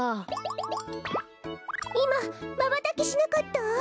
いままばたきしなかった？